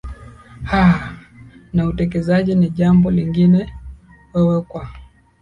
aaa na utekelezaji ni jambo lingine wewe kwa